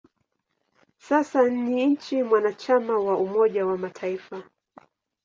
Sasa ni nchi mwanachama wa Umoja wa Mataifa.